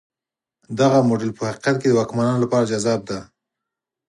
دغه موډل په حقیقت کې د واکمنانو لپاره جذاب دی.